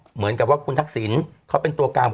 เหมือนกับว่าคุณทักษิณเขาเป็นตัวกลาง